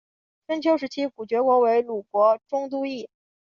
春秋时期古厥国为鲁国中都邑。